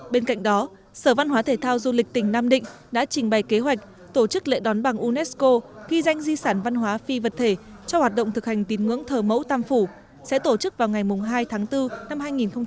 bên cạnh đó sở văn hóa thể thao du lịch tỉnh nam định đã trình bày kế hoạch tổ chức lễ đón bằng unesco ghi danh di sản văn hóa phi vật thể cho hoạt động thực hành tín ngưỡng thờ mẫu tam phủ sẽ tổ chức vào ngày hai tháng bốn năm hai nghìn hai mươi